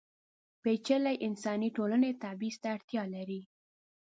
پېچلې انساني ټولنې تبعیض ته اړتیا لري.